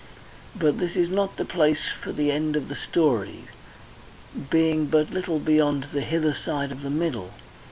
But this is not the place for the end of the story, being but little beyond the hither side of the middle.